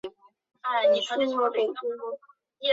反射镜通过沿单轴在白天跟踪太阳。